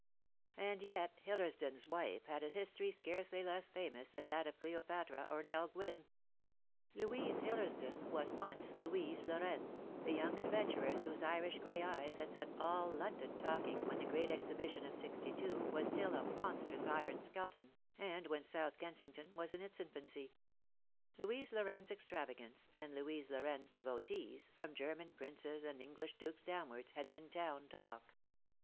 And yet Hillersdon's wife had a history scarcely less famous than that of Cleopatra or Nell Gwynne. Louise Hillersdon was once Louise Lorraine, the young adventuress whose Irish gray eyes had set all London talking when the Great Exhibition o^ '62 was still a monstrous iron skeleton, and when South Kensing ton was in its infancy. Louise Lorraine's extravagance, and Louise Lorraine's devotees, from German princes and English dukes downwards, had been town talk.